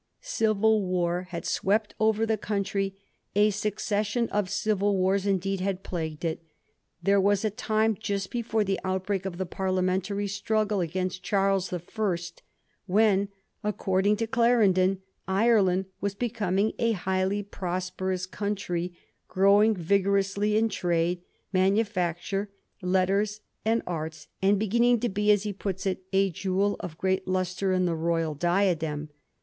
Civil war had swept over the country ; a succession of •civil wars indeed had plagued it. There was a time just before the outbreak of the parliamentary struggle against Charles the First when, according to Clarendon, Ireland waa becoming a highly prosperous country, growing vigorously in trade, manufacture, letters, and arts, and beginning to be, as he puts it, ' a jewel of great lustre in the royal diadem.'